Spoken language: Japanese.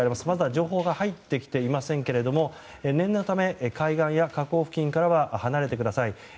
まだ情報が入ってきていませんが念のため海岸や河口付近からは離れてください。